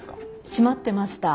閉まってました。